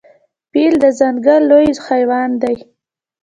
فیل د ځنګل لوی حیوان دی.